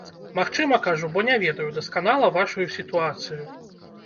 Магчыма, кажу, бо не ведаю дасканала вашую сітуацыю.